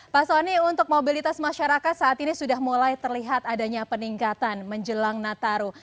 pak soni untuk mobilitas masyarakat saat ini sudah mulai terlihat adanya peningkatan menjelang nataru